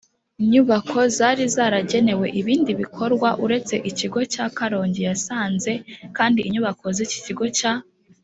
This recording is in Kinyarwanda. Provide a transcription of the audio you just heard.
nyubako zari zaragenewe ibindi bikorwa uretse Ikigo cya Karongi Yasanze kandi inyubako z Ikigo cya